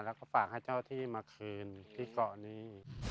แล้วก็ฝากให้เจ้าที่มาคืนที่เกาะนี้